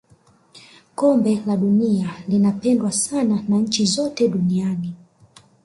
kombe la dunia linapendwa sana na nchi zote duniani